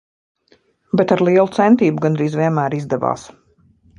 Bet ar lielu centību gandrīz vienmēr izdevās.